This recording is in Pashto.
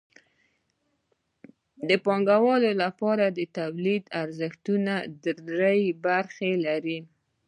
د پانګوالو لپاره د تولید لګښتونه درې برخې لري